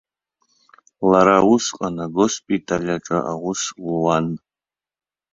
Лара усҟан агоспиталь аҿы аус луан.